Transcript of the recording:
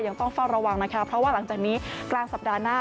ยังต้องเฝ้าระวังนะคะเพราะว่าหลังจากนี้กลางสัปดาห์หน้า